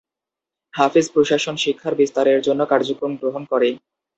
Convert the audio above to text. হাফেজ প্রশাসন শিক্ষার বিস্তারের জন্য কার্যক্রম গ্রহণ করে।